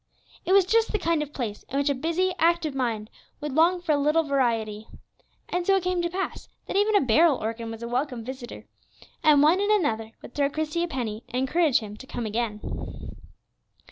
It was just the kind of place in which a busy, active mind would long for a little variety. And so it came to pass that even a barrel organ was a welcome visitor; and one and another would throw Christie a penny, and encourage him to come again.